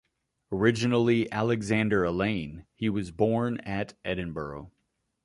Originally Alexander Alane, he was born at Edinburgh.